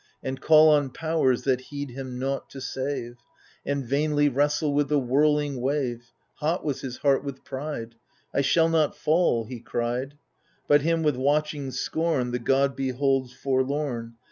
And call on Powers, that heed him nought, to save, And vainly wrestle with the whirling wave. Hot was his heart with pride — I shall notfall^ he cried. But him with watching scorn The god beholds, forlorn.